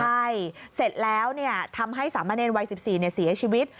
ใช่เสร็จแล้วทำให้สามเณรวัย๑๔เสียชีวิต